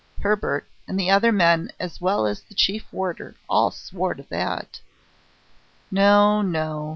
Hebert and the other men as well as the chief warder, all swore to that! No, no!